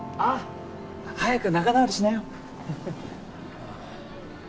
早く仲直りしなよ。